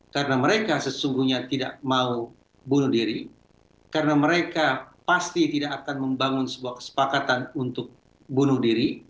karena mereka sesungguhnya tidak mau bunuh diri karena mereka pasti tidak akan membangun sebuah kesepakatan untuk bunuh diri